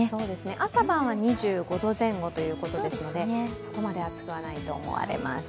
朝晩は２５度前後ということですのでそこまで暑くはないと思われます。